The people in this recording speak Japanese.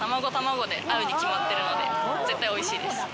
で合うに決まってるので絶対おいしいです。